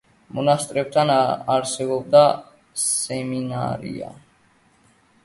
მონასტერთან არსებობდა სემინარია.